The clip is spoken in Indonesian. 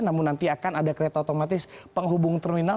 namun nanti akan ada kereta otomatis penghubung terminal